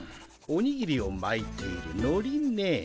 おにぎりをまいているのりね。